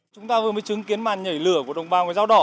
chúng ta vừa mới chứng kiến màn nhảy lửa của đồng bào người dao đỏ